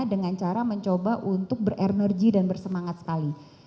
dengan cara mencoba untuk berenergi dan bersemangat sekali